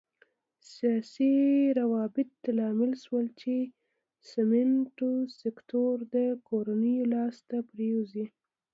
سیاسي روابط لامل شول چې سمنټو سکتور د کورنیو لاس ته پرېوځي.